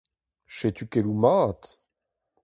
Setu keloù mat !